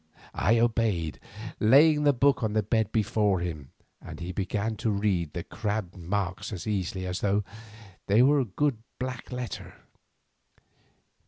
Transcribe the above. I obeyed, laying the book on the bed before him, and he began to read the crabbed marks as easily as though they were good black letter.